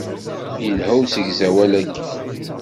Yelha usegzawal-agi.